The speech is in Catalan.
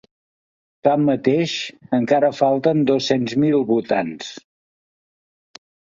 Tanmateix, encara falten dos-cents mil votants.